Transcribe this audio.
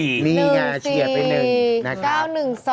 ๑สี่นี่ค่ะเฉียบเป็น๑นะครับ